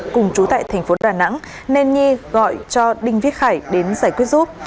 cùng chú tại thành phố đà nẵng nên nhi gọi cho đinh viết khải đến giải quyết giúp